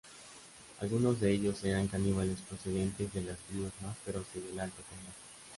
Algunos de ellos eran caníbales procedentes de las tribus más feroces del Alto Congo.